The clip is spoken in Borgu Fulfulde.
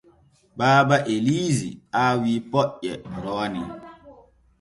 Baaba Eliisi aawi poƴƴe rowani.